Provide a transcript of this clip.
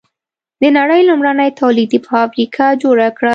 د نړۍ لومړنۍ تولیدي فابریکه جوړه کړه.